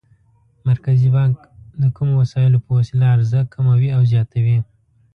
مرکزي بانک د کومو وسایلو په وسیله عرضه کموي او زیاتوي؟